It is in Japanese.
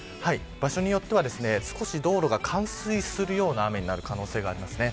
場所によっては少し道路が冠水するような雨になる可能性がありますね。